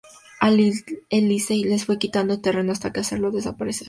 El Licey les fue quitando terreno hasta hacerlos desaparecer.